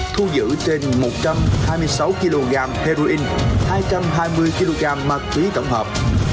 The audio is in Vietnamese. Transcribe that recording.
thu giữ trên một trăm hai mươi sáu kg heroin hai trăm hai mươi kg ma túy tổng hợp